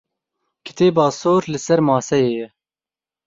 Kitêba sor li ser maseyê ye.